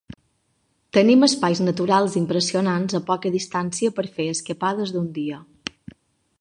Tenim espais naturals impressionants a poca distància per fer escapades d'un dia.